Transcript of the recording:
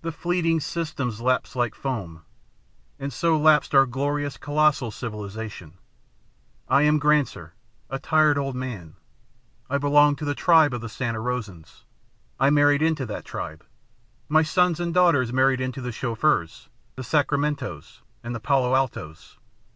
'The fleeting systems lapse like foam,' and so lapsed our glorious, colossal civilization. I am Granser, a tired old man. I belong to the tribe of Santa Rosans. I married into that tribe. My sons and daughters married into the Chauffeurs, the Sacramen tos, and the Palo Altos.